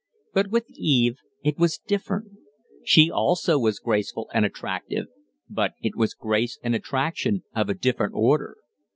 But with Eve it was different. She also was graceful and attractive but it was grace and attraction of a different order.